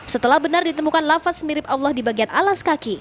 setelah benar ditemukan lafaz mirip allah di bagian alas kaki